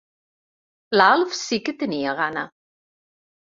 L'Alf sí que tenia gana.